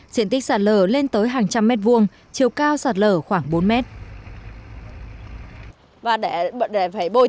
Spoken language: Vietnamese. diện tích sạt lở lên tới hàng trăm mét vuông chiều cao sạt lở khoảng bốn mét